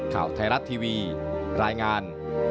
ข่าวไทยรัฐทีวีรายงาน